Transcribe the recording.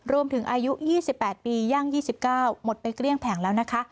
อายุ๒๘ปีย่าง๒๙หมดไปเกลี้ยงแผงแล้วนะคะ